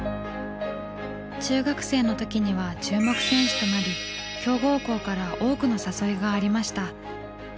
中学生の時には注目選手となり強豪校から多くの誘いがありました。